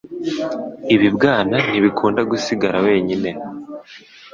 Ibibwana ntibikunda gusigara wenyine